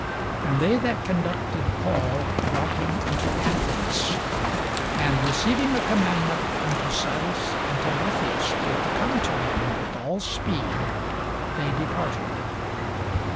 And they that conducted Paul brought him unto Athens: and receiving a commandment unto Silas and Timotheus for to come to him with all speed, they departed.